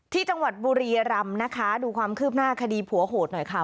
ที่จังหวัดบุรียรำนะคะดูความคืบหน้าคดีผัวโหดหน่อยค่ะ